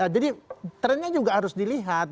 jadi trennya juga harus dilihat